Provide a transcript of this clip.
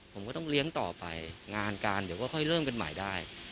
ผมก็ต้องเลี้ยงต่อไปงานการเดี๋ยวก็ค่อยเริ่มกันใหม่ได้